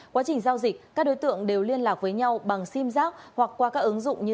quá trình giao dịch các đối tượng đều liên lạc với nhau bằng sim giác hoặc qua các ứng dụng như